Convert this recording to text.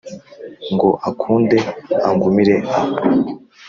ngo akunde angumire aho,